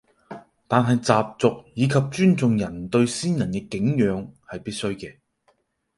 但係習俗以及尊重人對先人嘅敬仰係必須嘅